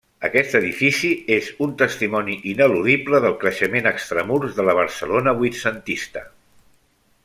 Aquest edifici és un testimoni ineludible del creixement extramurs de la Barcelona vuitcentista.